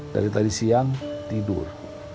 dari tadi siang tidur